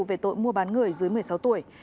về tội mua bán người dưới một mươi sáu tuổi